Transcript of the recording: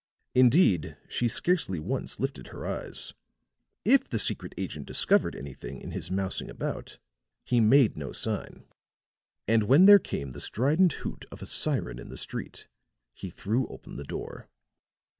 Indeed, she scarcely once lifted her eyes. If the secret agent discovered anything in his mousing about he made no sign; and when there came the strident hoot of a siren in the street, he threw open the door.